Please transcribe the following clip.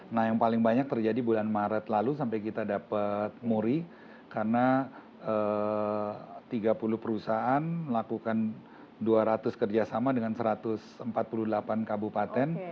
nah yang paling banyak terjadi bulan maret lalu sampai kita dapat muri karena tiga puluh perusahaan melakukan dua ratus kerjasama dengan satu ratus empat puluh delapan kabupaten